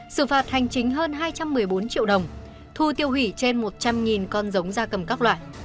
xử phạt hành chính hơn hai trăm một mươi bốn triệu đồng thu tiêu hủy trên một trăm linh con giống ra cầm các loại